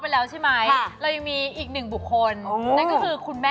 คือคุณแม่อ้อยอ๋อมีหรืออ่ะ